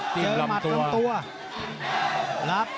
เจอหมัดลำตัว